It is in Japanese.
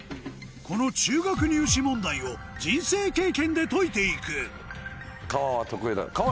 この中学入試問題を人生経験で解いていく川は得意だ。